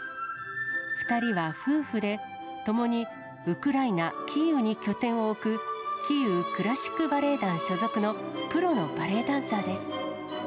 ２人は夫婦で、ともにウクライナ・キーウに拠点を置く、キーウクラシックバレエ団所属のプロのバレエダンサーです。